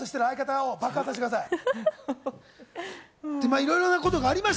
いろいろなことがありました。